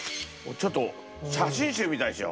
ちょっと写真集みたいでしょ？